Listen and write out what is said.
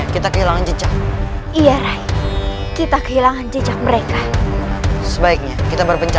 kita kehilangan jejak mereka sebaiknya kita berpencar